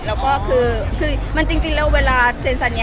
แล้วก็คือมันจริงแล้วเวลาเซ็นซันนี้